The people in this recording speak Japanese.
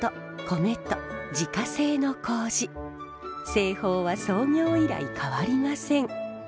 製法は創業以来変わりません。